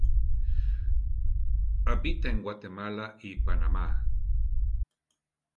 Habita en Guatemala y Panamá.